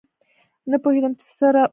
نه پوهیدم چې څه روان دي